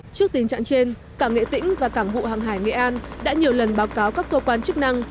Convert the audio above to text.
trước tình trạng trên cảng nghệ tĩnh và cảng vụ hàng hải nghệ an đã nhiều lần báo cáo các cơ quan chức năng